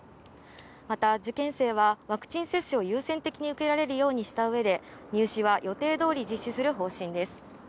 また受験生はワクチン接種を優先的に受けられるようにした上で入試は予定通り実施する方針です。